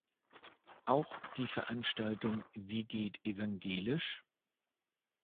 Auch die Veranstaltung "Wie geht evangelisch?